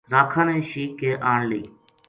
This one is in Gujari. راکھاں نے شیک کے آن لئی